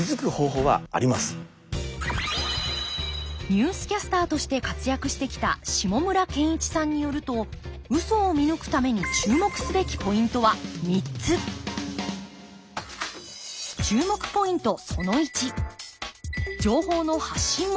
ニュースキャスターとして活躍してきた下村健一さんによるとウソを見抜くために注目すべきポイントは３つ注目ポイント